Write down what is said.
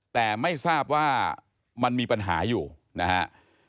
แต่ไม่ทราบว่ามันมีปัญหาอยู่นะฮะ